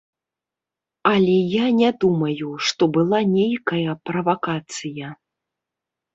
Але я не думаю, што была нейкая правакацыя.